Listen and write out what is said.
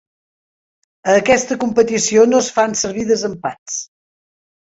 A aquesta competició no es fan servir desempats.